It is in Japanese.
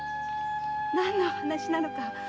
何のお話なのか